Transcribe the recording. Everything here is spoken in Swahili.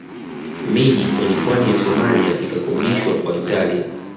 Miji kwenye pwani ya Somalia ikakodishwa kwa Italia